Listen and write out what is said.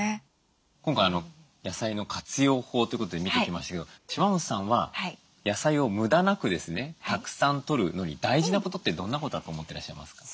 今回野菜の活用法ということで見てきましたけど島本さんは野菜を無駄なくですねたくさんとるのに大事なことってどんなことだと思ってらっしゃいますか？